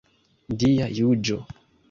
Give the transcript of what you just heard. Dia juĝo.